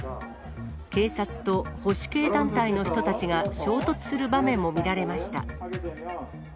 警察と保守系団体の人たちが衝突する場面も見られました。